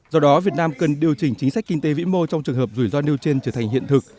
do đó việt nam cần điều chỉnh chính sách kinh tế vĩ mô trong trường hợp rủi ro nêu trên trở thành hiện thực